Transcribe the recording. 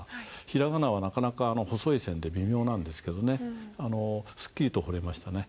平仮名はなかなか細い線で微妙なんですけどねすっきりと彫れましたね。